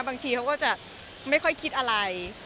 บางทีเขาก็จะไม่ค่อยคิดอะไร